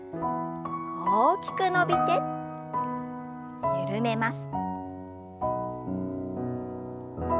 大きく伸びて緩めます。